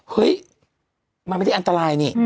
เฮ้ยมันไม่ได้อันตรายนี่